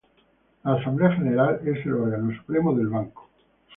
La Asamblea general es el órgano supremo del banco.